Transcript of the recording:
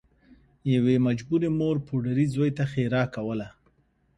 یوې مجبورې مور پوډري زوی ته ښیرا کوله